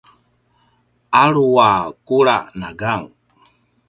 alu a kula na gang